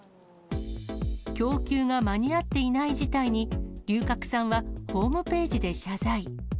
供給が間に合っていない事態に、龍角散はホームページで謝罪。